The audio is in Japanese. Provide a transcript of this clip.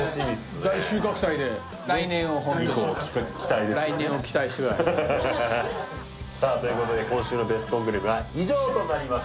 大収穫祭で来年を期待してくださいさあということで今週のベスコングルメは以上となります